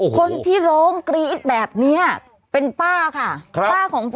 ก็คือเห็นเป็น